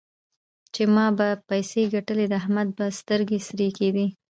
چې ما به پيسې ګټلې؛ د احمد به سترګې سرې کېدې.